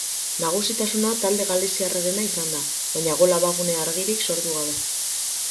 Nagusitasuna talde galiziarrarena izan da, baina gol abagune argirik sortu gabe.